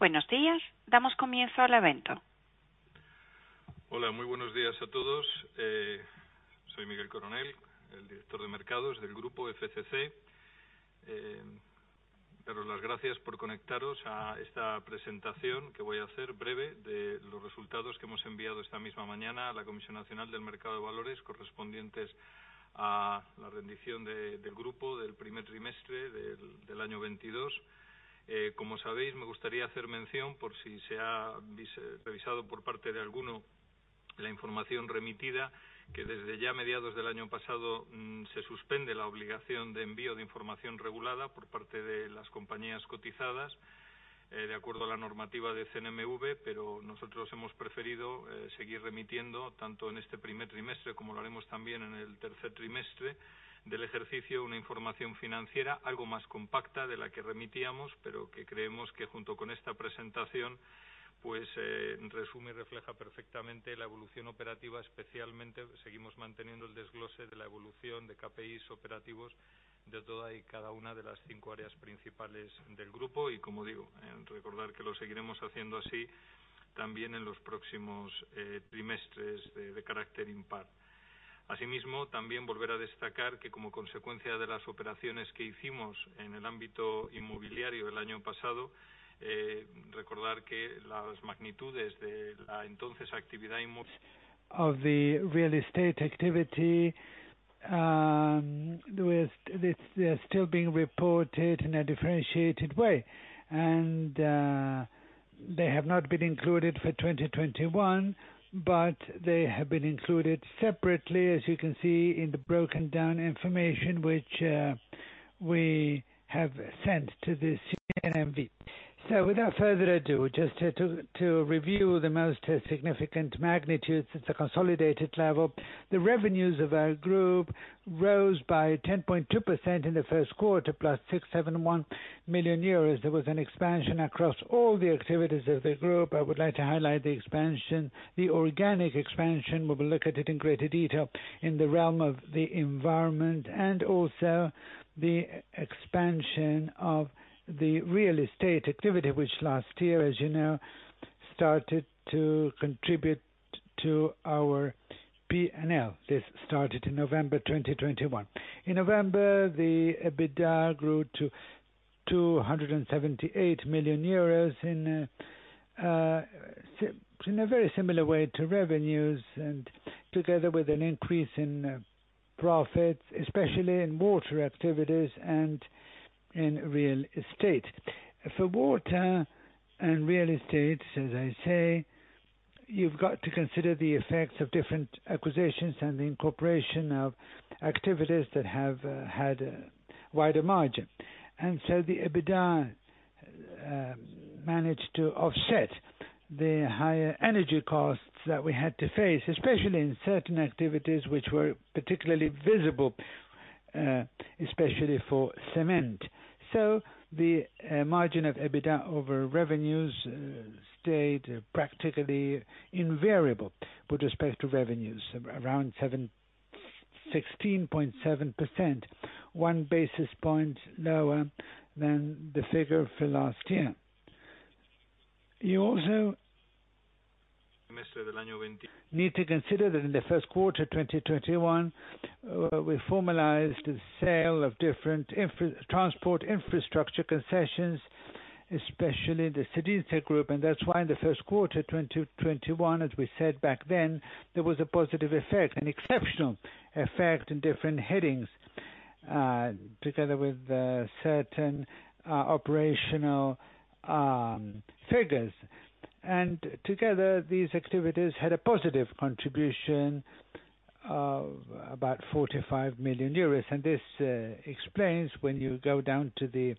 Buenos días. Damos comienzo al evento. Hola, muy buenos días a todos. Soy Miguel Coronel, el director de Mercados del grupo FCC. Daros las gracias por conectaros a esta presentación que voy a hacer breve de los resultados que hemos enviado esta misma mañana a la Comisión Nacional del Mercado de Valores, correspondientes a la rendición del grupo del primer trimestre del año 2022. Como sabéis, me gustaría hacer mención por si se ha revisado por parte de alguno la información remitida, que desde ya mediados del año pasado se suspende la obligación de envío de información regulada por parte de las compañías cotizadas, de acuerdo a la normativa de CNMV. Nosotros hemos preferido seguir remitiendo, tanto en este primer trimestre como lo haremos también en el tercer trimestre del ejercicio, una información financiera algo más compacta de la que remitíamos, pero que creemos que junto con esta presentación, pues, resume y refleja perfectamente la evolución operativa. Especialmente, seguimos manteniendo el desglose de la evolución de KPIs operativos de toda y cada una de las cinco áreas principales del grupo. Como digo, recordar que lo seguiremos haciendo así también en los próximos trimestres de carácter impar. Asimismo, también volver a destacar que como consecuencia de las operaciones que hicimos en el ámbito inmobiliario el año pasado, recordar que las magnitudes de la entonces actividad inmo- Of the real estate activity, with this, they are still being reported in a differentiated way, and they have not been included for 2021, but they have been included separately, as you can see in the broken down information which we have sent to the CNMV. Without further ado, just to review the most significant magnitudes at the consolidated level, the revenues of our group rose by 10.2% in the first quarter, plus 671 million euros. There was an expansion across all the activities of the group. I would like to highlight the expansion, the organic expansion. We will look at it in greater detail in the realm of the environment and also the expansion of the real estate activity, which last year, as you know, started to contribute to our P&L. This started in November 2021. In November, the EBITDA grew to 278 million euros in a very similar way to revenues and together with an increase in profits, especially in water activities and in real estate. For water and real estate, as I say, you've got to consider the effects of different acquisitions and the incorporation of activities that have had a wider margin. The EBITDA managed to offset the higher energy costs that we had to face, especially in certain activities which were particularly visible, especially for cement. The margin of EBITDA over revenues stayed practically invariable with respect to revenues around 16.7%, one basis point lower than the figure for last year. You also Trimester del año veinti- Need to consider that in the first quarter 2021, we formalized the sale of different transport infrastructure concessions, especially the Cedinsa group. That's why in the first quarter 2021, as we said back then, there was a positive effect, an exceptional effect in different headings, together with certain operational figures. Together these activities had a positive contribution of about 45 million euros. This explains when you go down to the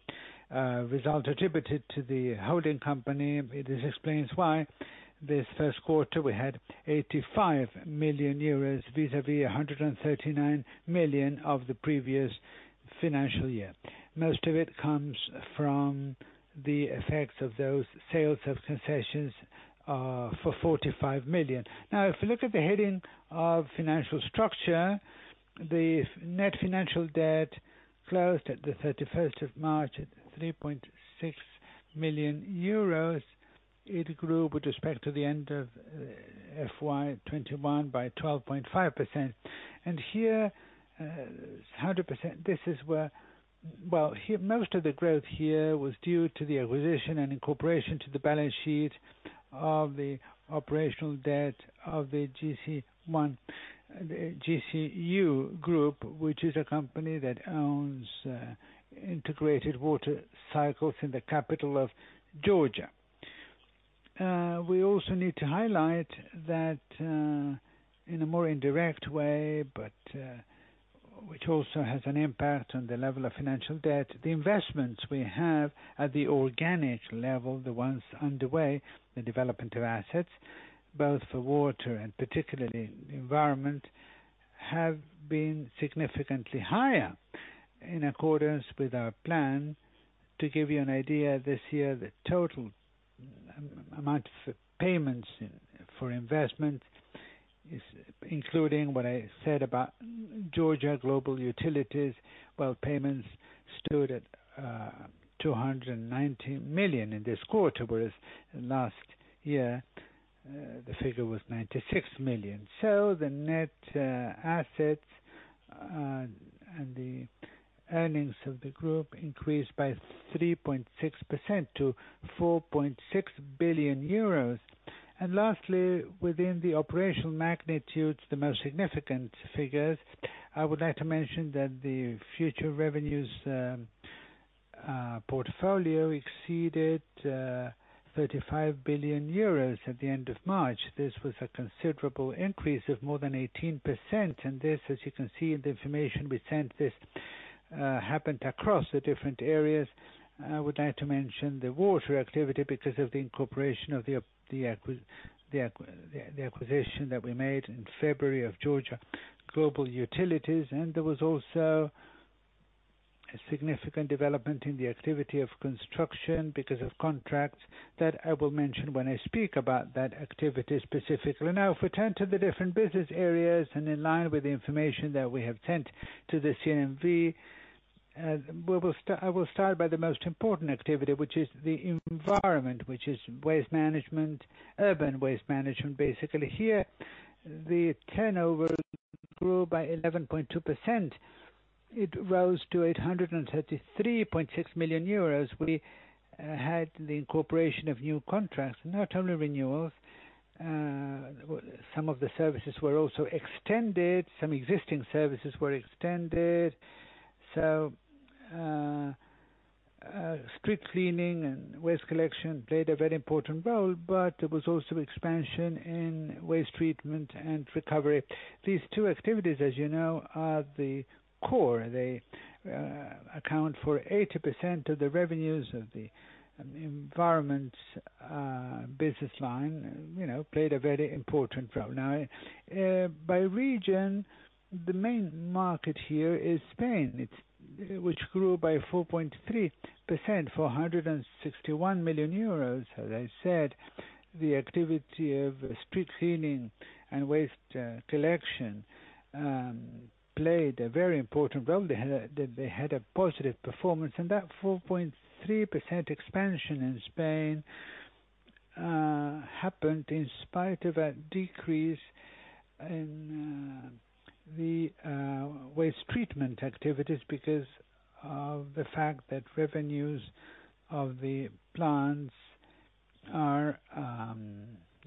result attributed to the holding company. It explains why this first quarter we had 85 million euros vis-à-vis 139 million of the previous financial year. Most of it comes from the effects of those sales of concessions for 45 million. Now, if you look at the heading of financial structure, the net financial debt closed at the thirty-first of March at 3.6 million euros. It grew with respect to the end of FY 2021 by 12.5%. Here most of the growth was due to the acquisition and incorporation to the balance sheet of the operational debt of the GGU group, which is a company that owns integrated water cycles in the capital of Georgia. We also need to highlight that, in a more indirect way, but which also has an impact on the level of financial debt. The investments we have at the organic level, the ones underway, the development of assets both for water and particularly environment, have been significantly higher in accordance with our plan. To give you an idea, this year, the total amount of payments for investments is including what I said about Georgia Global Utilities. Well, payments stood at 290 million in this quarter, whereas last year, the figure was 96 million. The net assets and the earnings of the group increased by 3.6% to 4.6 billion euros. Lastly, within the operational magnitudes, the most significant figures, I would like to mention that the future revenues portfolio exceeded 35 billion euros at the end of March. This was a considerable increase of more than 18%. This, as you can see in the information we sent, this happened across the different areas. I would like to mention the water activity because of the incorporation of the acquisition that we made in February of Georgia Global Utilities. There was also a significant development in the activity of construction because of contracts that I will mention when I speak about that activity specifically. Now, if we turn to the different business areas and in line with the information that we have sent to the CNMV, I will start by the most important activity, which is the environment, which is waste management, urban waste management, basically. Here, the turnover grew by 11.2%. It rose to 833.6 million euros. We had the incorporation of new contracts, not only renewals. Some of the services were also extended. Some existing services were extended. Street cleaning and waste collection played a very important role, but there was also expansion in waste treatment and recovery. These two activities, as you know, are the core. They account for 80% of the revenues of the environment business line, you know, played a very important role. Now, by region, the main market here is Spain. Which grew by 4.3%, 461 million euros. As I said, the activity of street cleaning and waste collection played a very important role. They had a positive performance. That 4.3% expansion in Spain happened in spite of a decrease in the waste treatment activities because of the fact that revenues of the plants are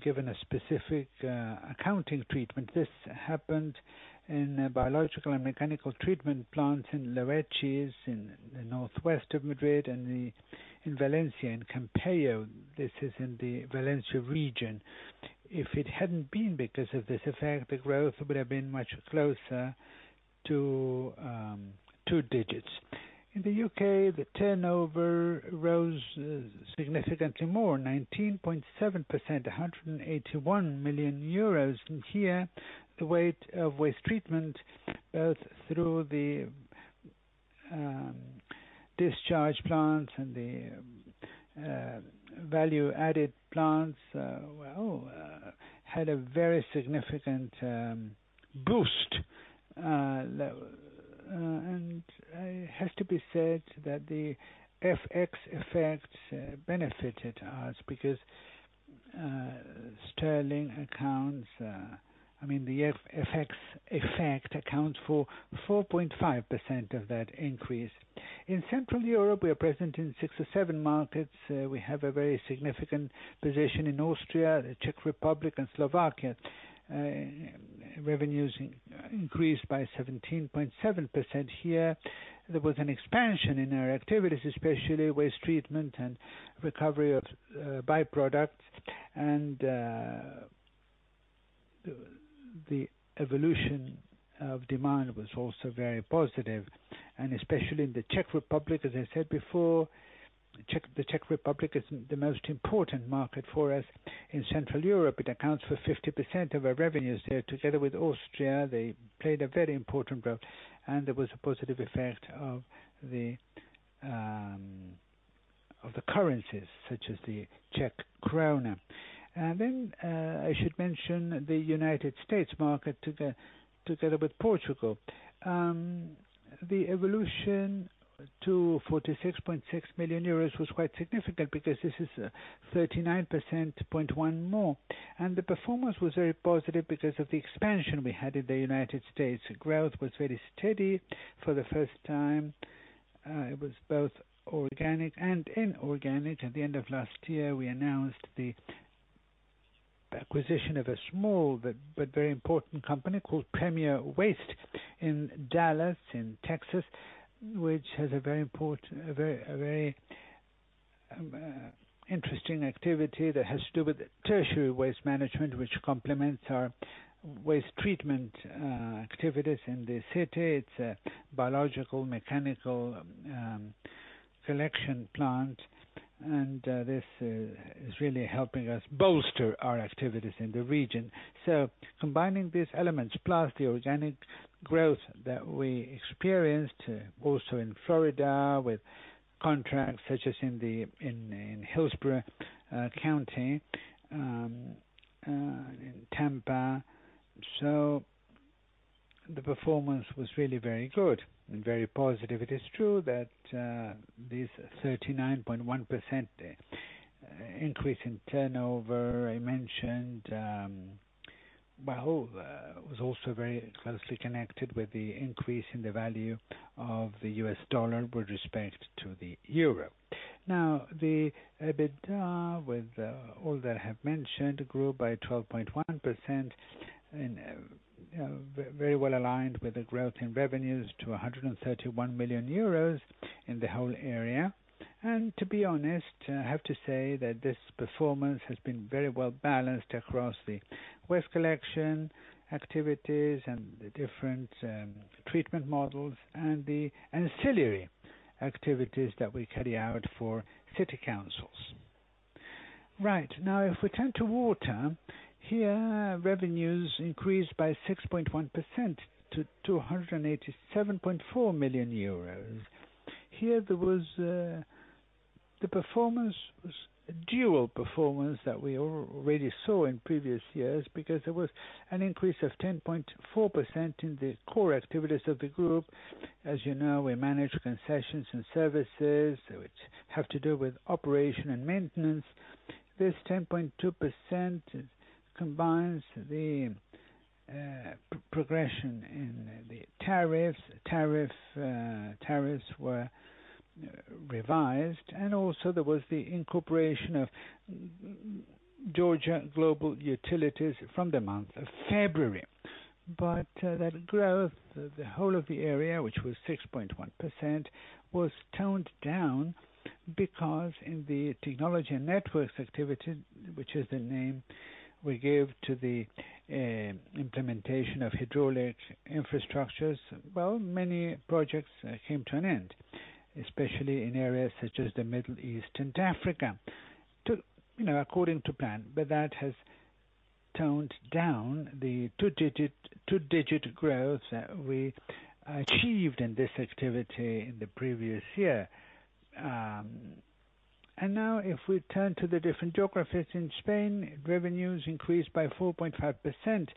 given a specific accounting treatment. This happened in biological and mechanical treatment plants in Loeches, in the northwest of Madrid, and in Valencia, in Campello. This is in the Valencia region. If it hadn't been because of this effect, the growth would have been much closer to two digits. In the U.K., the turnover rose significantly more, 19.7%, 181 million euros. Here, the weight of waste treatment, both through the discharge plants and the value-added plants, well, had a very significant boost. It has to be said that the FX effect benefited us because sterling accounts, I mean, the FX effect accounts for 4.5% of that increase. In Central Europe, we are present in six or seven markets. We have a very significant position in Austria, the Czech Republic, and Slovakia. Revenues increased by 17.7% here. There was an expansion in our activities, especially waste treatment and recovery of byproducts. The evolution of demand was also very positive, especially in the Czech Republic. As I said before, the Czech Republic is the most important market for us in Central Europe. It accounts for 50% of our revenues there. Together with Austria, they played a very important role, and there was a positive effect of the currencies, such as the Czech crown. I should mention the United States market together with Portugal. The evolution to 46.6 million euros was quite significant because this is 39.1% more. The performance was very positive because of the expansion we had in the United States. Growth was very steady for the first time. It was both organic and inorganic. At the end of last year, we announced the acquisition of a small but very important company called Premier Waste Services in Dallas, in Texas, which has a very interesting activity that has to do with tertiary waste management, which complements our waste treatment activities in the city. It's a biological, mechanical collection plant, and this is really helping us bolster our activities in the region. Combining these elements plus the organic growth that we experienced also in Florida with contracts such as in the Hillsborough County in Tampa. The performance was really very good and very positive. It is true that this 39.1% increase in turnover I mentioned, well, was also very closely connected with the increase in the value of the US dollar with respect to the euro. Now, the EBITDA with all that I have mentioned grew by 12.1% and very well aligned with the growth in revenues to 131 million euros in the whole area. To be honest, I have to say that this performance has been very well-balanced across the waste collection activities and the different treatment models and the ancillary activities that we carry out for city councils. Right. Now, if we turn to water, here, revenues increased by 6.1% to 287.4 million euros. Here there was the performance was a dual performance that we already saw in previous years because there was an increase of 10.4% in the core activities of the group. As you know, we manage concessions and services which have to do with operation and maintenance. This 10.2% combines the progression in the tariffs. Tariffs were revised, and also there was the incorporation of Georgia Global Utilities from the month of February. That growth, the whole of the area, which was 6.1%, was toned down because in the Technology and Networks activity, which is the name we give to the implementation of hydraulic infrastructures, well, many projects came to an end, especially in areas such as the Middle East and Africa to, you know, according to plan. that has toned down the two-digit growth that we achieved in this activity in the previous year. Now if we turn to the different geographies in Spain, revenues increased by 4.5%.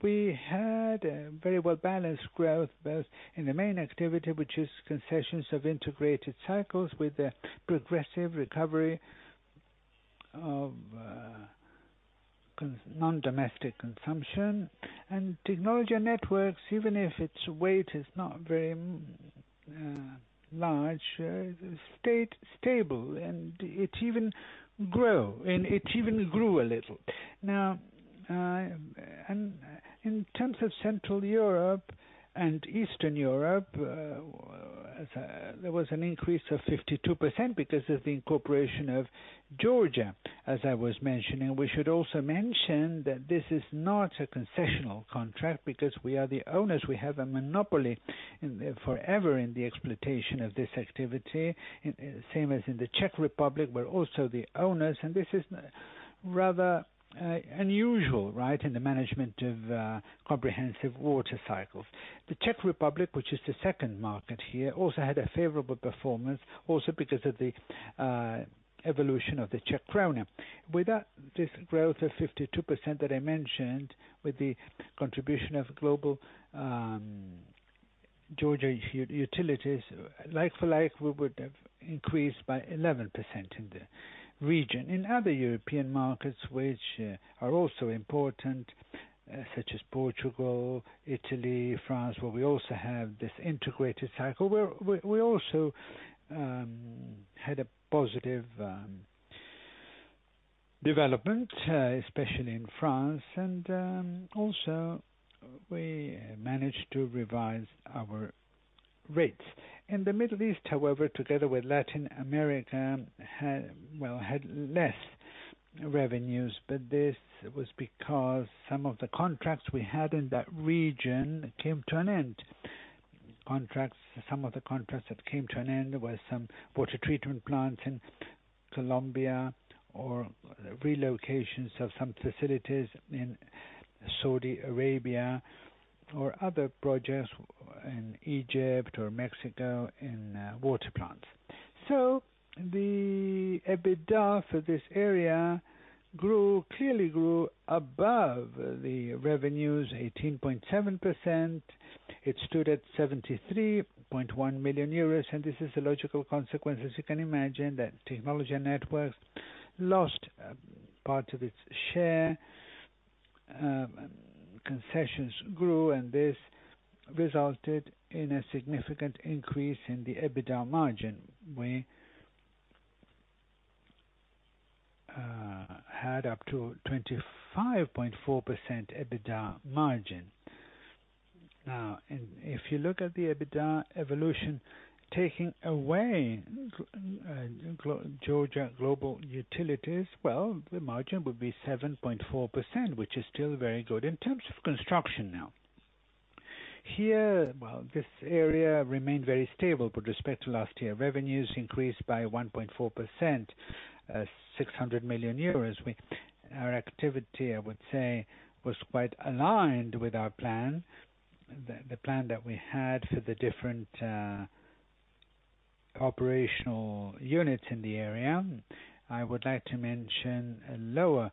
We had a very well-balanced growth both in the main activity, which is concessions of integrated cycles with the progressive recovery of non-domestic consumption and Technology and Networks, even if its weight is not very large, stayed stable and it even grew a little. Now in terms of Central Europe and Eastern Europe, there was an increase of 52% because of the incorporation of Georgia, as I was mentioning. We should also mention that this is not a concessional contract because we are the owners. We have a monopoly in forever in the exploitation of this activity, same as in the Czech Republic. We're also the owners, and this is rather unusual, right, in the management of comprehensive water cycles. The Czech Republic, which is the second market here, also had a favorable performance also because of the evolution of the Czech crown. Without this growth of 52% that I mentioned, with the contribution of Georgia Global Utilities, like for like, we would have increased by 11% in the region. In other European markets, which are also important, such as Portugal, Italy, France, where we also have this integrated cycle, we also had a positive development especially in France. Also we managed to revise our rates. In the Middle East, however, together with Latin America, had less revenues, but this was because some of the contracts we had in that region came to an end. Some of the contracts that came to an end were some water treatment plants in Colombia or relocations of some facilities in Saudi Arabia or other projects in Egypt or Mexico in water plants. The EBITDA for this area grew clearly above the revenues 18.7%. It stood at 73.1 million euros, and this is a logical consequence, as you can imagine, that Technology and Networks lost part of its share. Concessions grew, and this resulted in a significant increase in the EBITDA margin. We had up to 25.4% EBITDA margin. Now, if you look at the EBITDA evolution, taking away Georgia Global Utilities, well, the margin would be 7.4%, which is still very good. In terms of construction now, here, well, this area remained very stable with respect to last year. Revenues increased by 1.4%, 600 million euros. Our activity, I would say, was quite aligned with our plan, the plan that we had for the different operational units in the area. I would like to mention a lower contribution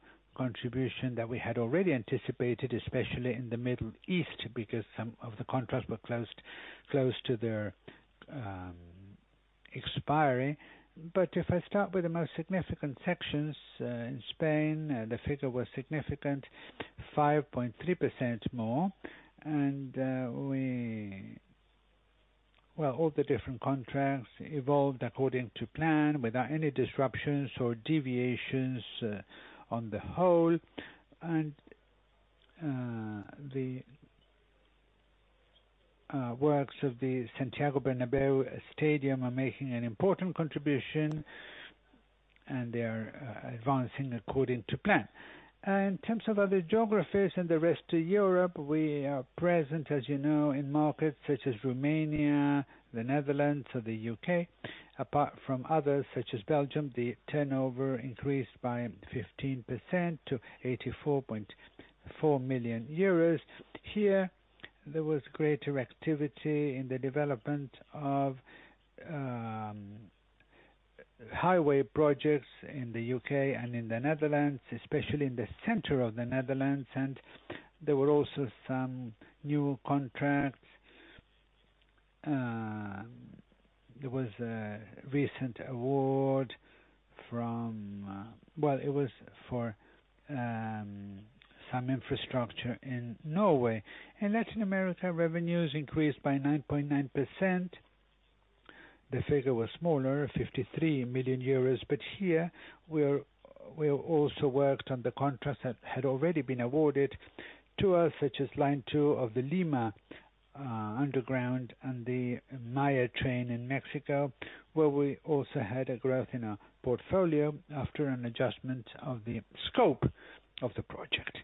that we had already anticipated, especially in the Middle East, because some of the contracts were close to their expiry. But if I start with the most significant sections in Spain, the figure was significant, 5.3% more. We Well, all the different contracts evolved according to plan, without any disruptions or deviations on the whole. The works of the Santiago Bernabéu Stadium are making an important contribution, and they are advancing according to plan. In terms of other geographies in the rest of Europe, we are present, as you know, in markets such as Romania, the Netherlands or the U.K. Apart from others such as Belgium, the turnover increased by 15% to 84.4 million euros. Here, there was greater activity in the development of highway projects in the U.K. and in the Netherlands, especially in the center of the Netherlands. There were also some new contracts. There was a recent award. Well, it was for some infrastructure in Norway. In Latin America, revenues increased by 9.9%. The figure was smaller, 53 million euros. Here we are, we also worked on the contracts that had already been awarded to us, such as Line 2 of the Lima Metro and the Tren Maya in Mexico, where we also had a growth in our portfolio after an adjustment of the scope of the project.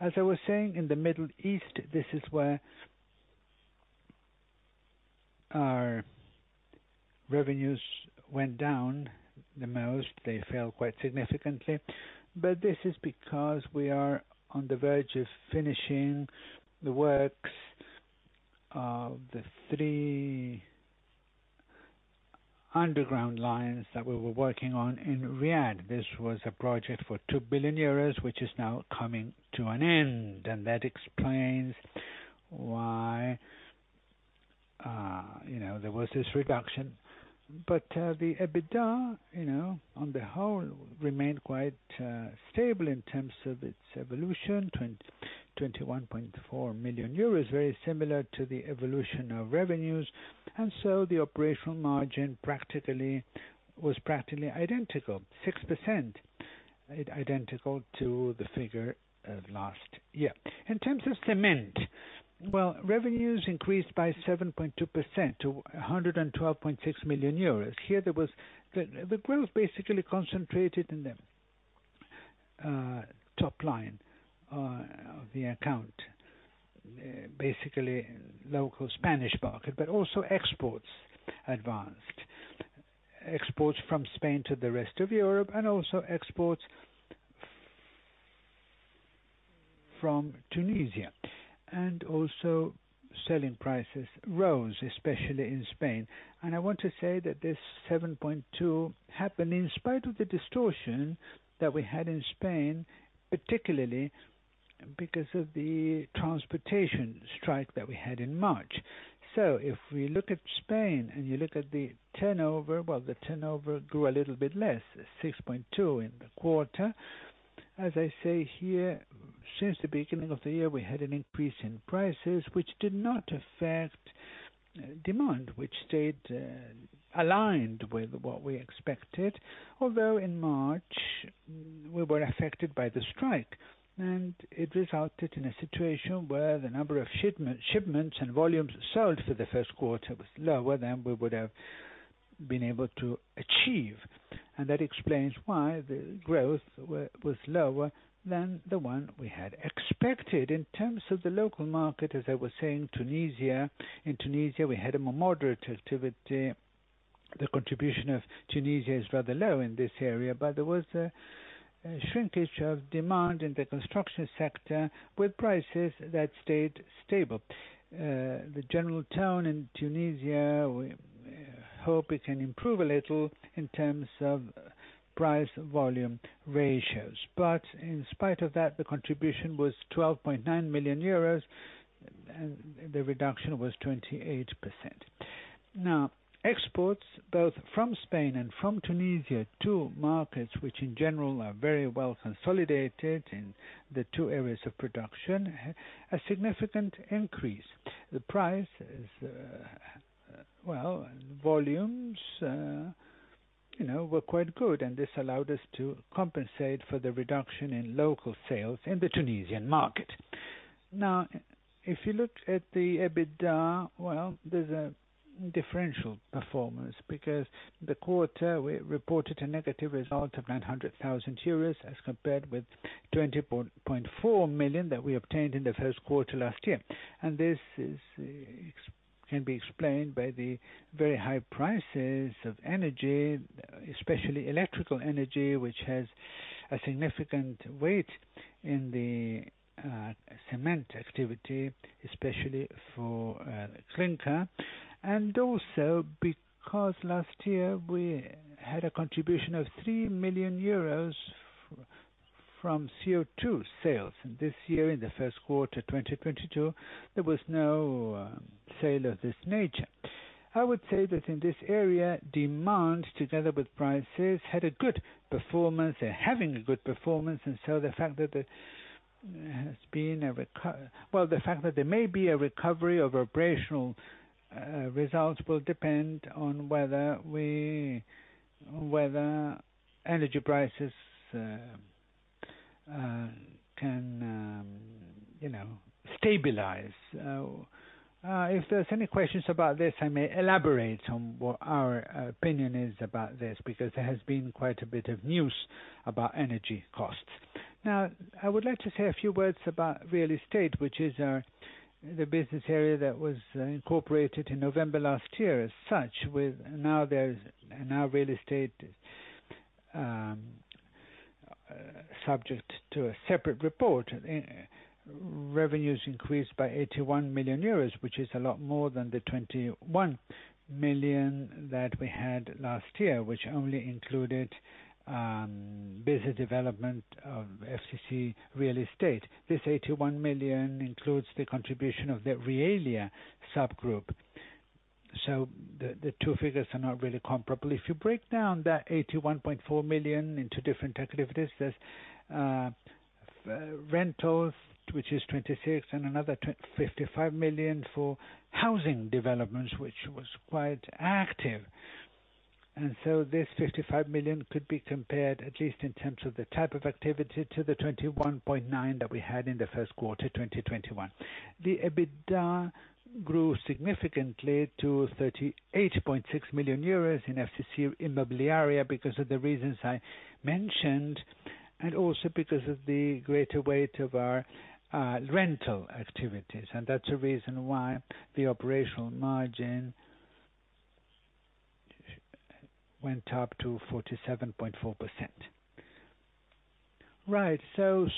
As I was saying, in the Middle East, this is where our revenues went down the most. They fell quite significantly. This is because we are on the verge of finishing the works of the three underground lines that we were working on in Riyadh. This was a project for 2 billion euros, which is now coming to an end, and that explains why, you know, there was this reduction. The EBITDA, you know, on the whole remained quite stable in terms of its evolution. 21.4 million euros, very similar to the evolution of revenues. The operational margin practically was practically identical. 6% identical to the figure last year. In terms of cement, well, revenues increased by 7.2% to 112.6 million euros. Here the growth basically concentrated in the top line of the account, basically local Spanish market, but also exports advanced. Exports from Spain to the rest of Europe and also exports from Tunisia. Selling prices rose, especially in Spain. I want to say that this 7.2 happened in spite of the distortion that we had in Spain, particularly because of the transportation strike that we had in March. If we look at Spain and you look at the turnover, well, the turnover grew a little bit less, 6.2% in the quarter. As I say here, since the beginning of the year, we had an increase in prices, which did not affect demand, which stayed aligned with what we expected, although in March we were affected by the strike, and it resulted in a situation where the number of shipments and volumes sold for the first quarter was lower than we would have been able to achieve. That explains why the growth was lower than the one we had expected. In terms of the local market, as I was saying, Tunisia. In Tunisia, we had a more moderate activity. The contribution of Tunisia is rather low in this area, but there was a shrinkage of demand in the construction sector with prices that stayed stable. The general tone in Tunisia, we hope it can improve a little in terms of price volume ratios, but in spite of that, the contribution was 12.9 million euros and the reduction was 28%. Now exports both from Spain and from Tunisia to markets which in general are very well consolidated in the two areas of production, a significant increase. The price is, well, volumes, you know, were quite good and this allowed us to compensate for the reduction in local sales in the Tunisian market. Now, if you look at the EBITDA, well, there's a differential performance because the quarter we reported a negative result of 900,000 euros as compared with 20.4 million that we obtained in the first quarter last year. This can be explained by the very high prices of energy, especially electrical energy, which has a significant weight in the cement activity, especially for clinker, and also because last year we had a contribution of 3 million euros from CO2 sales. This year, in the first quarter, 2022, there was no sale of this nature. I would say that in this area, demand, together with prices, had a good performance. They're having a good performance. The fact that there may be a recovery of operational results will depend on whether energy prices can, you know, stabilize. If there's any questions about this, I may elaborate on what our opinion is about this, because there has been quite a bit of news about energy costs. Now, I would like to say a few words about real estate, which is the business area that was incorporated in November last year as such. Now real estate subject to a separate report. Revenues increased by 81 million euros, which is a lot more than the 21 million that we had last year, which only included business development of FCC Real Estate. This 81 million includes the contribution of the Realia subgroup. The two figures are not really comparable. If you break down that 81.4 million into different activities, there's rentals, which is 26 million, and another 55 million for housing developments, which was quite active. This 55 million could be compared, at least in terms of the type of activity, to the 21.9 million that we had in the first quarter, 2021. The EBITDA grew significantly to 38.6 million euros in FCC Inmobiliaria because of the reasons I mentioned and also because of the greater weight of our rental activities. That's the reason why the operational margin went up to 47.4%. Right. so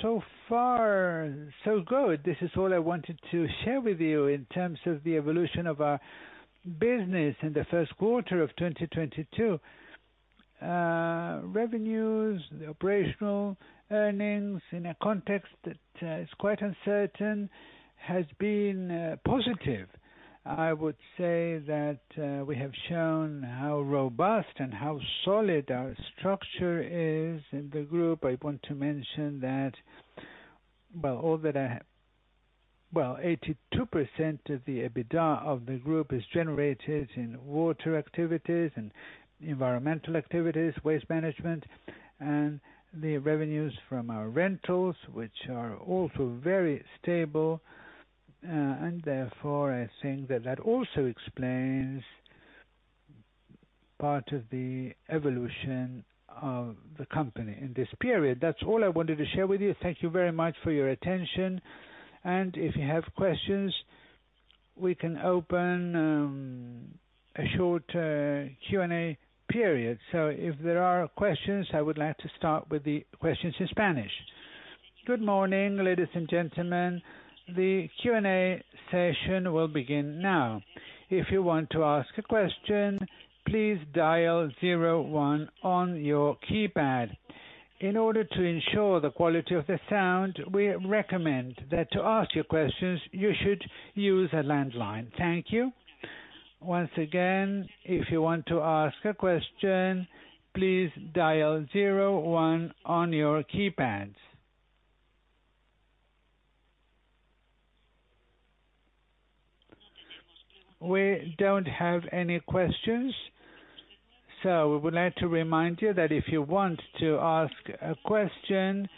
far, so good. This is all I wanted to share with you in terms of the evolution of our business in the first quarter of 2022. Revenues, the operational earnings, in a context that is quite uncertain, has been positive. I would say that we have shown how robust and how solid our structure is in the group. I want to mention that. Well, 82% of the EBITDA of the group is generated in water activities and environmental activities, waste management, and the revenues from our rentals, which are also very stable. Therefore, I think that that also explains part of the evolution of the company in this period. That's all I wanted to share with you. Thank you very much for your attention. If you have questions, we can open a short Q&A period. If there are questions, I would like to start with the questions in Spanish. Good morning, ladies and gentlemen. The Q&A session will begin now. If you want to ask a question, please dial zero one on your keypad. In order to ensure the quality of the sound, we recommend that to ask your questions, you should use a landline. Thank you. Once again, if you want to ask a question, please dial zero one on your keypads. We don't have any questions. We would like to remind you that if you want to ask a question,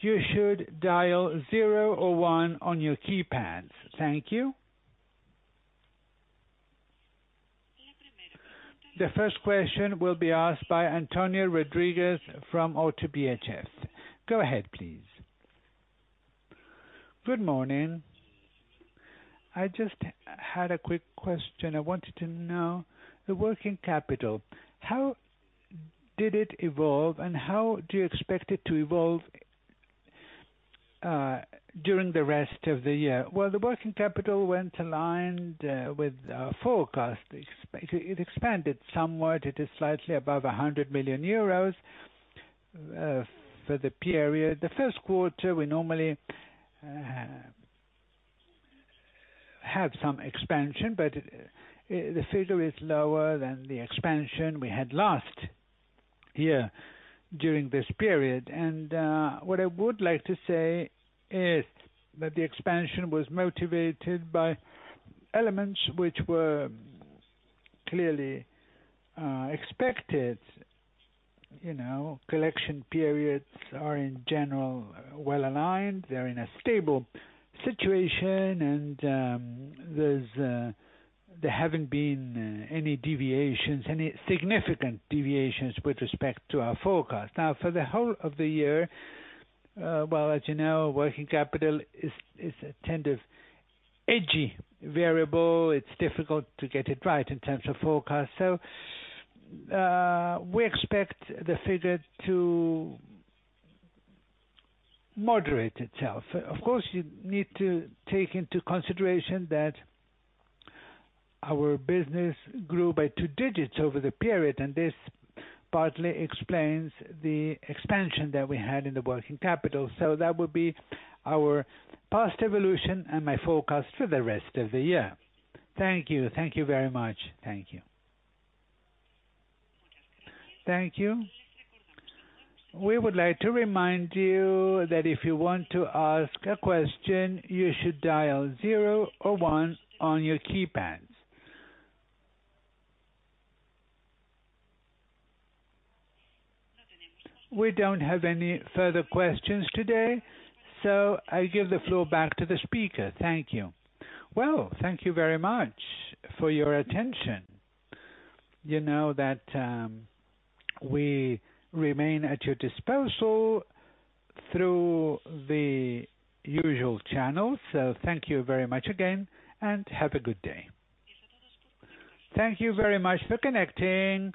you should dial zero or one on your keypads. Thank you. The first question will be asked by Antonio Rodríguez from ODDO BHF. Go ahead, please. Good morning. I just had a quick question. I wanted to know the working capital, how did it evolve and how do you expect it to evolve, during the rest of the year? Well, the working capital went aligned, with our forecast. It expanded somewhat. It is slightly above 100 million euros for the period. The first quarter, we normally have some expansion, but the figure is lower than the expansion we had last year during this period. What I would like to say is that the expansion was motivated by elements which were clearly expected. You know, collection periods are, in general, well-aligned. They're in a stable situation. There haven't been any deviations, any significant deviations with respect to our forecast. Now, for the whole of the year, well, as you know, working capital tends to be edgy variable. It's difficult to get it right in terms of forecast. We expect the figure to moderate itself. Of course, you need to take into consideration that our business grew by double digits over the period, and this partly explains the expansion that we had in the working capital. That would be our past evolution and my forecast for the rest of the year. Thank you very much. We would like to remind you that if you want to ask a question, you should dial zero or one on your keypads. We don't have any further questions today, so I give the floor back to the speaker. Thank you. Well, thank you very much for your attention. You know that, we remain at your disposal through the usual channels. Thank you very much again, and have a good day. Thank you very much for connecting.